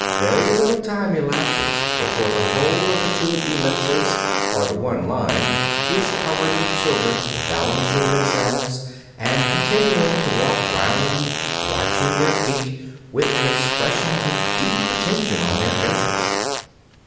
Very little time elapses before the whole of the two ellipses or the one line is covered with children balancing themselves, and continuing to walk round, watching their feet with an expression of deep attention on their faces.